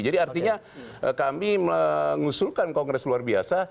jadi artinya kami mengusulkan kongres luar biasa